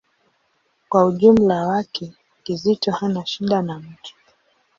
Kwa ujumla wake, Kizito hana shida na mtu.